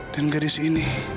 dan gadis ini